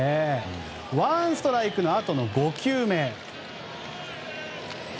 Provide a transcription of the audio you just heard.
ワンストライクのあとの５球目。